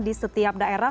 di setiap daerah